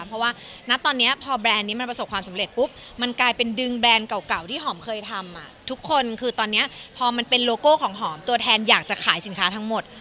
เพราะว่าณตอนนี้พอแบรนด์นี้มันประสบความสำเร็จปุ๊บมันกลายเป็นดึงแบรนด์เก่าที่หอมเคยทำทุกคนคือตอนนี้พอมันเป็นโลโก้ของหอมตัวแทนอยากจะขายสินค้าทั้งหมด